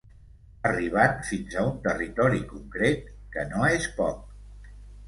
Arribant fins a un territori concret, que no és poc.